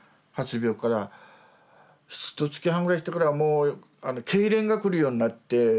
ひとつき半ぐらいしてからもうけいれんがくるようになって。